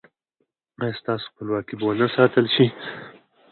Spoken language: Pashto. ایا ستاسو خپلواکي به و نه ساتل شي؟